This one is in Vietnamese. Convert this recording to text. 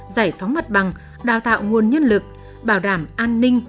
giải phóng mặt bằng đào tạo nguồn nhân lực bảo đảm an ninh